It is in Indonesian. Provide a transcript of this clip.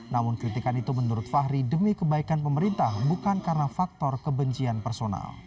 namun kritikan itu menurut fahri demi kebaikan pemerintah bukan karena faktor kebencian personal